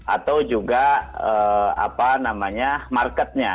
atau juga apa namanya marketnya